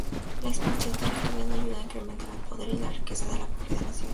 La expansión territorial ayudó a incrementar el poder y la riqueza de la confederación.